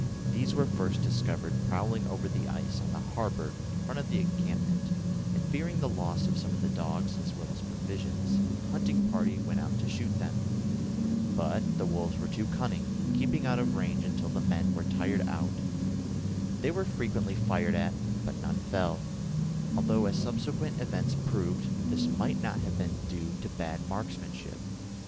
These were first discovered prowling over the ice on the harbour in front of the encampment, and, fearing the loss of some of the dogs, as well as provisions, a hunting party went out to shoot them. But the wolves were too cunning, keeping out of range until the men were tired out. They were frequently fired at, but none fell, although, as subsequent events proved, this might not have been due to bad marksmanship.